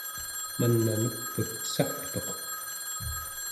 man'a nep'ut sagtuq